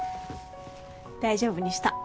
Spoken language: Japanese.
大丈夫にした。